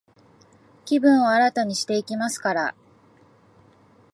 気分を新たにしていきますから、